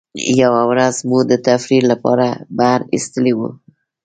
یوه ورځ مو د تفریح له پاره بهر ایستلي وو.